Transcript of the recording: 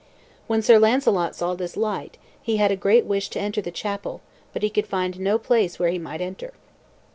When Sir Launcelot saw this sight, he had a great wish to enter the chapel, but he could find no place where he might enter.